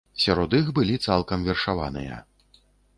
Сярод іх былі цалкам вершаваныя.